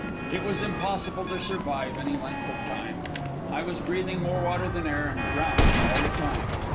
It was impossible to survive any length of time. I was breathing more water than air, and drowning all the time.